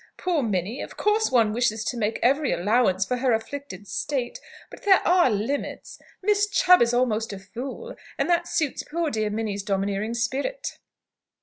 Poor Minnie! Of course one wishes to make every allowance for her afflicted state; but there are limits. Miss Chubb is almost a fool, and that suits poor dear Minnie's domineering spirit."